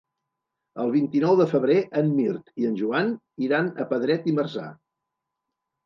El vint-i-nou de febrer en Mirt i en Joan iran a Pedret i Marzà.